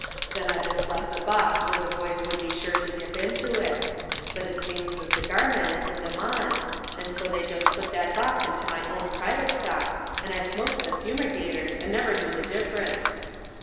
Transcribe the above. Then I just left the box where the boys would be sure to dip into it; but it seems the cigarman put them on, and so they just put that box into my own private stock and I smoked the fumigators and never knew the difference.